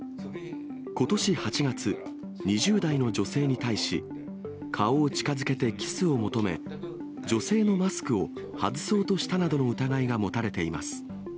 ことし８月、２０代の女性に対し、顔を近づけてキスを求め、女性のマスクを外そうとしたなどの疑いが持たれています。